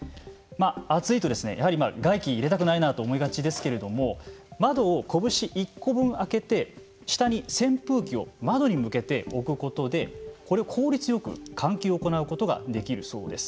暑いと外気を入れたくないなと思いがちですけれども窓を拳１個分開けて下に扇風機を窓に向けて置くことでこれを効率よく換気を行うことができるそうです。